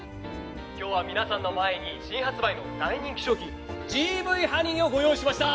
今日は皆さんの前に新発売の大人気商品ＧＶハニーをご用意しました。